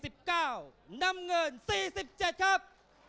สี่สิบเก้าน้ำเงินสี่สิบเจ็ดครับ